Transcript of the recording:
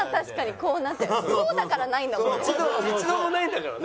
こうだからないんだもんね。